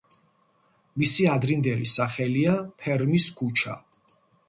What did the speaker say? მისი ადრინდელი სახელია ფერმის ქუჩა.